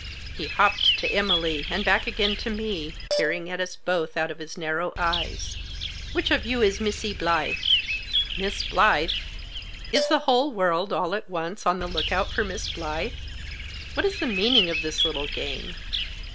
He hopped to Emily, and back again to me, peering at us both out of his narrow eyes. " Which of you is Missee Blyth ?"" Miss Blyth ! Is the whole world, all at once, on Digitized by LOCKED OUT. 17 the look out for Miss Blyth ? What is the meaning of this little game